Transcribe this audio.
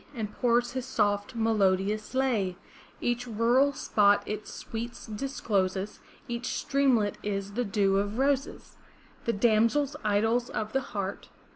And pours his soft melodious lay; Each rural spot its sweets discloses. Each streamlet is the dew of roses; The damsels, idols of the heart.